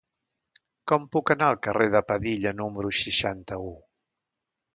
Com puc anar al carrer de Padilla número seixanta-u?